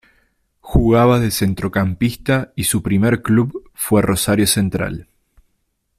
Jugaba de centrocampista y su primer club fue Rosario Central.